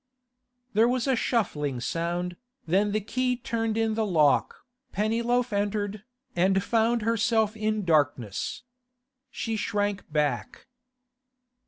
There was a shuffling sound, then the key turned in the lock, Pennyloaf entered, and found herself in darkness. She shrank back.